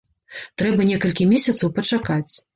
Трэба некалькі месяцаў пачакаць.